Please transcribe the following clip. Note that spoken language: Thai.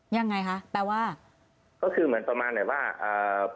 ยังไงคะแปลว่าก็คือเหมือนประมาณแบบว่าอ่า